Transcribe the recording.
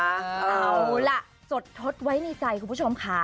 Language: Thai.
เอาล่ะจดทดไว้ในใจคุณผู้ชมค่ะ